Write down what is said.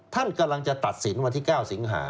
ท่านกำลังจะตัดสินวันที่๙สิงหา